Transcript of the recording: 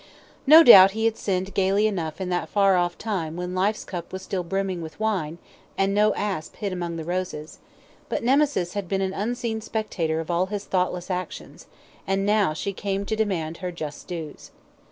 No doubt he had sinned gaily enough in that far off time when life's cup was still brimming with wine, and no asp hid among the roses; but Nemesis had been an unseen spectator of all his thoughtless actions, and now she came to demand her just dues.